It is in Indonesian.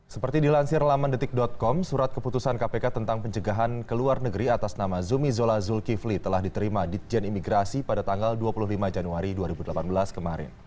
seperti dilansir lamandetik com surat keputusan kpk tentang pencegahan ke luar negeri atas nama zumi zola zulkifli telah diterima di jen imigrasi pada tanggal dua puluh lima januari dua ribu delapan belas kemarin